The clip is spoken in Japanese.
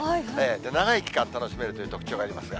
長い期間楽しめるという特徴がありますが。